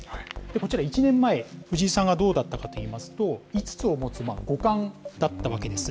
こちら１年前、藤井さんがどうだったかといいますと、５つを持つ五冠だったわけです。